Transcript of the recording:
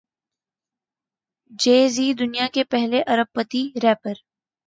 جے Z دنیا کے پہلے ارب پتی ریپر